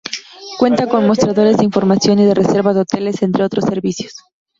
Cuenta con mostradores de información y de reserva de hoteles, entre otros servicios.